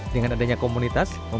dengan adanya komunitas